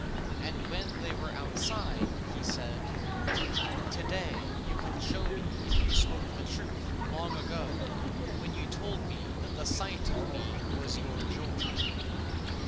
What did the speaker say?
And when they were outside he said, "To day you can show me if you spoke truth long ago when you told me that the sight of me was your joy."